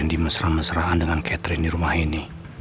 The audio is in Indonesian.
randy mesra mesraan dengan catherine di rumah ini